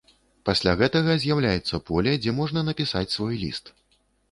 Пасля гэтага з'яўляецца поле, дзе можна напісаць свой ліст.